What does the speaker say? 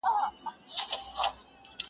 زړه د اسیا ومه ثاني جنت وم-